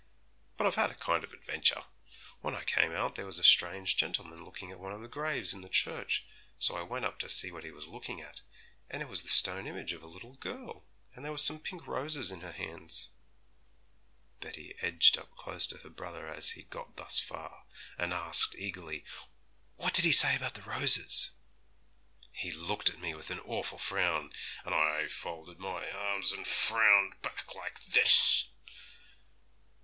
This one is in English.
But I've had a kind of adventure. When I came out there was a strange gentleman looking at one of the graves in the church, so I went up to see what he was looking at, and it was the stone image of a little girl, and there were some pink roses in her hands.' Betty edged up close to her brother as he got thus far, and asked eagerly, 'What did he say about the roses?' 'He looked at me with an awful frown, and I folded my arms and frowned back, like this!'